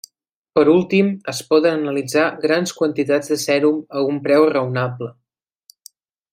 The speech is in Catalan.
Per últim es poden analitzar grans quantitats de sèrum a un preu raonable.